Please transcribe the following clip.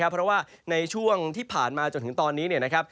เพราะว่าในช่วงที่ผ่านมาจนถึงตอนนี้นะครับ